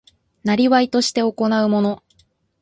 業として行うもの